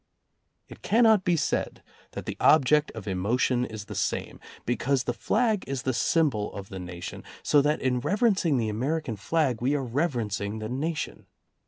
It cannot be said that the object of emotion is the same, because the flag is the symbol of the nation, so that in reverencing the American flag we are reverencing the nation.